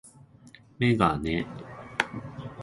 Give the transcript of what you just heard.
メガネ